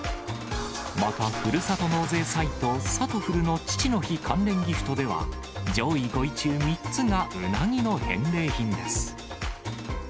また、ふるさと納税サイト、さとふるの父の日関連ギフトでは、上位５位中３つがうなぎの返礼品です。